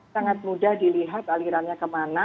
sangat mudah dilihat alirannya kemana